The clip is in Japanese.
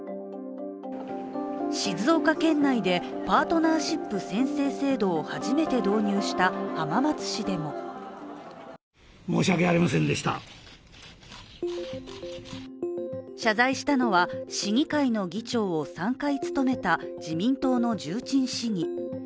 静岡県内でパートナーシップ先制制度を初めて導入した浜松市でも謝罪したのは市議会の議長を３回務めた自民党の重鎮市議。